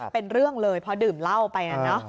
เป็นเรื่องเลยพอดื่มเหล้าไปนะ